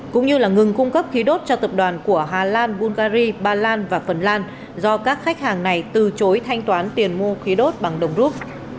cũng như ngừng cung cấp khí đốt cho tập đoàn của hà lan bungary ba lan và phần lan do các khách hàng này từ chối thanh toán tiền mua khí đốt bằng đồng rút